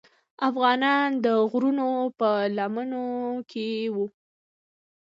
افغانان د غرونو په لمنو کې وو.